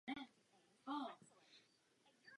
Soud stále probíhá.